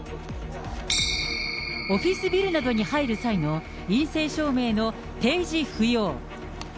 オフィスビルなどに入る際の陰性証明の提示不要。